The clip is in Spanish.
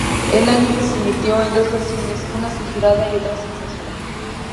El anime se emitió en dos versiones: una censurada y otra sin censura.